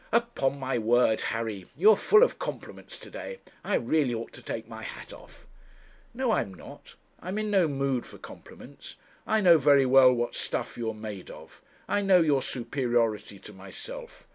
'Upon my word, Harry, you are full of compliments to day. I really ought to take my hat off.' 'No, I am not; I am in no mood for compliments. I know very well what stuff you are made of. I know your superiority to myself.